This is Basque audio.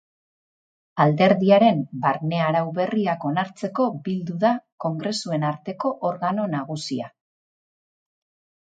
Alderdiaren barne-arau berriak onartzeko bildu da kongresuen arteko organo nagusia.